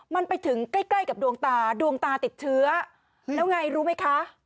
มันไปถึงใกล้ใกล้กับดวงตาดวงตาติดเชื้อแล้วไงรู้ไหมคะ